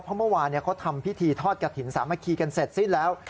เพราะเมื่อวานเขาทำพิธีทอดกระถิ่นสามัคคีกันเสร็จสิ้นแล้ว